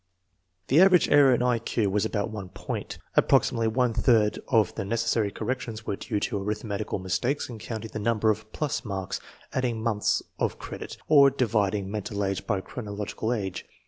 The average error in I Q was about 1 point. Approxi mately one third of the necessary corrections were due to arithmetical mistakes in counting the number of "plus*' marks, adding months of credit, or dividing mental age by chronological age.